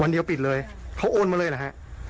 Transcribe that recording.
วันเดียวปิดเลยเขาโอนมาเลยเหรอฮะ